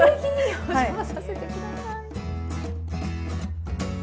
お邪魔させて下さい。